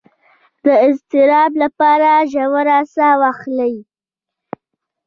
د اضطراب لپاره ژوره ساه واخلئ